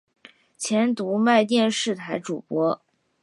前读卖电视台主播。